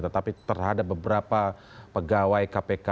tetapi terhadap beberapa pegawai kpk